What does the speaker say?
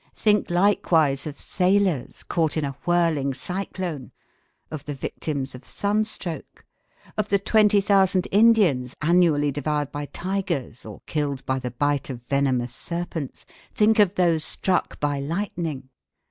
Think likewise of sailors caught in a whirling cyclone, of the victims of sunstroke, of the 20,000 Indians annually devoured by tigers or killed by the bite of venomous serpents; think of those struck by lightning.